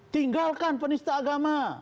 tinggalkan penista agama